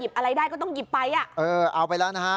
อะไรได้ก็ต้องหยิบไปอ่ะเออเอาไปแล้วนะฮะ